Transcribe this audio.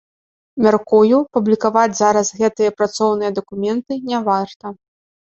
Мяркую, публікаваць зараз гэтыя працоўныя дакументы не варта.